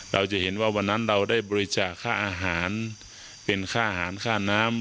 เราจะเห็นว่าวันนั้นเราได้บริจาคค่าอาหารเป็นค่าอาหารค่าน้ำ